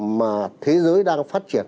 mà thế giới đang phát triển